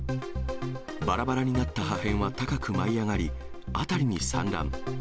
ばらばらになった破片は高く舞い上がり、辺りに散乱。